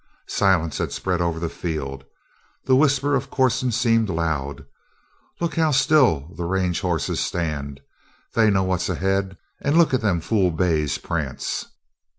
Silence had spread over the field. The whisper of Corson seemed loud. "Look how still the range hosses stand. They know what's ahead. And look at them fool bays prance!"